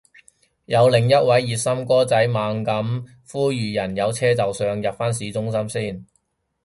有另一位熱心哥仔猛咁呼籲人有車就上，入返市中心先